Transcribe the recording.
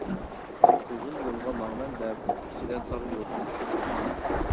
ئۇزۇن يولغا ماڭىمەن دەپ، كېچىدە تاغ يولىدىن چۈشۈپ كەتكەن.